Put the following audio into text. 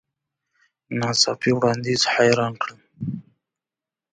نا څاپي وړاندیز حیران کړم .